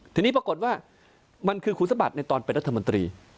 ทีนี้ปรากฏว่ามันคือคุณสมบัติในตอนเป็นรัฐมนตรี